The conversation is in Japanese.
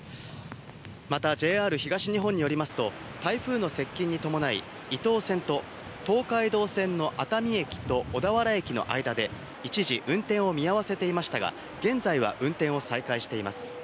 またＪＲ東日本によりますと、台風の接近に伴い、伊東線と東海道線の熱海駅と小田原駅の間で一時運転を見合わせていましたが、現在は運転を再開しています。